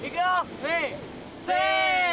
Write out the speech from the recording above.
せーの。